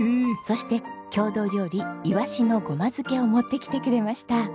そして郷土料理イワシのごま漬けを持ってきてくれました。